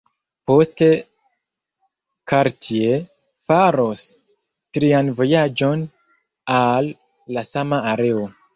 Poste Cartier faros trian vojaĝon al la sama areo.